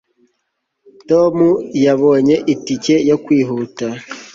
tom yabonye itike yo kwihuta